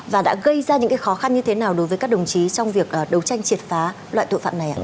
và đã gây ra những khó khăn như thế nào đối với các đồng chí trong việc đấu tranh triệt phá loại tội phạm này ạ